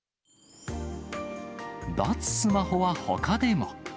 脱スマホはほかでも。